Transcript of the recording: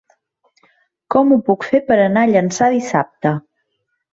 Com ho puc fer per anar a Llançà dissabte?